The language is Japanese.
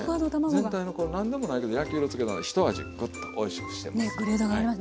全体のこの何でもないけど焼き色つけたひと味グッとおいしくしてます。